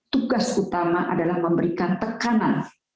tugas utama adalah memberikan tekanan